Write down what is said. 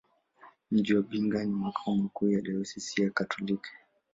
Mji wa Mbinga ni makao makuu ya dayosisi ya Kikatoliki.